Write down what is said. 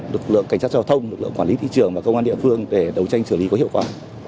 lực lượng cảnh sát giao thông lực lượng quản lý thị trường và công an địa phương để đấu tranh xử lý có hiệu quả